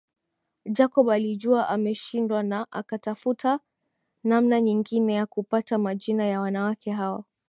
Jacob alijua ameshindwa na akatafuta namna nyingine ya kupata majina ya wanawake hao